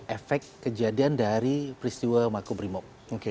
efek kejadian dari peristiwa makub rimob